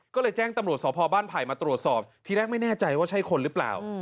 ก็เลยแจ้งตำรวจสพบ้านไผ่มาตรวจสอบทีแรกไม่แน่ใจว่าใช่คนหรือเปล่า